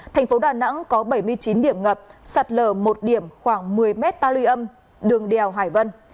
thành phố đà nẵng có bảy mươi chín điểm ngập sạt lở một điểm khoảng một mươi m ta lưu âm đường đèo hải vân